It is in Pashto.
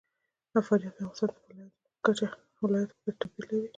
فاریاب د افغانستان د ولایاتو په کچه توپیر لري.